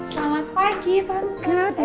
selamat pagi tante